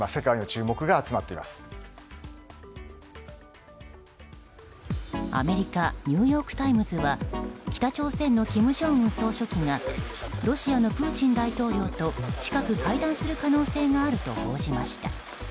そして今アメリカニューヨーク・タイムズは北朝鮮の金正恩総書記がロシアのプーチン大統領と近く会談する可能性があると報じました。